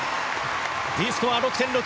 Ｄスコアは６．６。